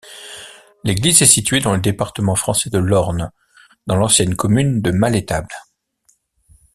L'église est située dans le département français de l'Orne dans l'ancienne commune de Malétable.